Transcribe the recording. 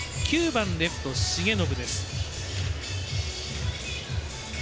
９番レフト、重信です。